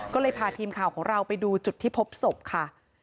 ก็เลยพาทีมข่าวของเราไปดูจุดที่พบศพค่ะ